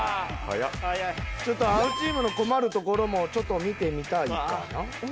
青チームの困るところもちょっと見てみたいかな。